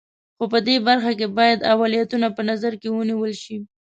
خو په دې برخه کې باید اولویتونه په نظر کې ونیول شي.